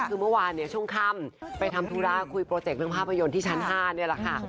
คือเมื่อวานเนี่ยช่วงค่ำไปทำธุระคุยโปรเจกต์เรื่องภาพยนตร์ที่ชั้น๕นี่แหละค่ะ